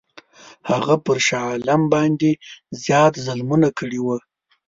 هغه پر شاه عالم باندي زیات ظلمونه کړي وه.